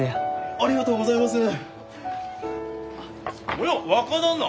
おや若旦那！